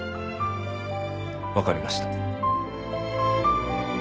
わかりました。